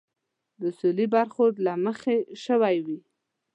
د اصولي برخورد له مخې شوي وي.